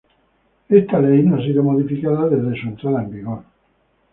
Esta ley no ha sido modificada desde su entrada en vigor.